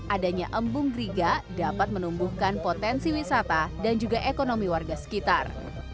adanya embung griga dapat menumbuhkan potensi wisata dan juga ekonomi warga sekitar